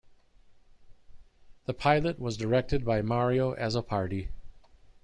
The pilot was directed by Mario Azzopardi.